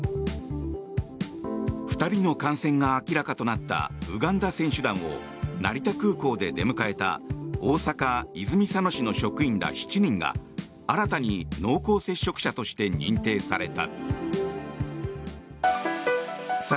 ２人の感染が明らかとなったウガンダ選手団を成田空港で出迎えた大阪・泉佐野市の職員ら７人が新たに濃厚接触者として認定された。